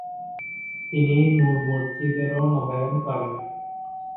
তিনি নূর মসজিদের ও নবায়ন করেন।